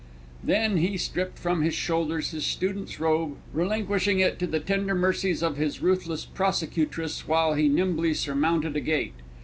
Then he stripped from his shoulders his student's robe, relinquishing it to the tender mercies of his ruthless persecutress while he nimbly surmounted a gate.